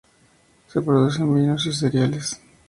Se producen vinos y cereales.